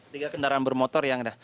tiga kendaraan bermotor yang ada